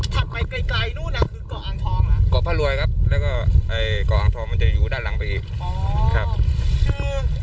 คือเกาะอ่างทองน่ะเกาะพระรวยครับแล้วก็เกาะอ่างทองมันจะอยู่ด้านหลังไปอีกอ๋อครับคือ